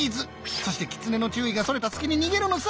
そしてキツネの注意がそれた隙に逃げるのさ。